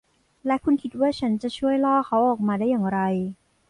และคุณคิดว่าฉันจะช่วยล่อเขาออกมาได้อย่างไร